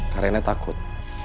kak reina takut